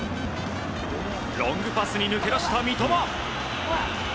ロングパスに抜け出した三笘。